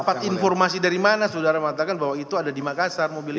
dapat informasi dari mana saudara mengatakan bahwa itu ada di makassar